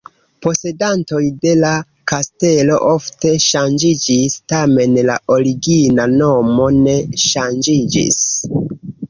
Posedantoj de la kastelo ofte ŝanĝiĝis, tamen la origina nomo ne ŝanĝiĝis.